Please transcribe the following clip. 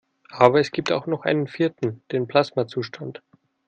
Aber es gibt auch noch einen vierten: Den Plasmazustand.